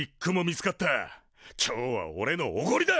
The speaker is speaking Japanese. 今日はおれのおごりだ！